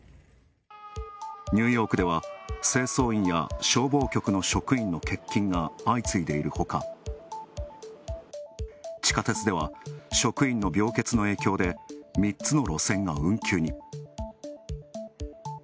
ニューヨークでは、清掃員や消防局の職員の欠勤が相次いでいるほか、地下鉄では職員の病欠の影響で３つの路線が運休に。